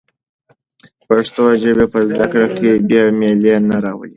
پښتو ژبه په زده کړه کې بې میلي نه راولي.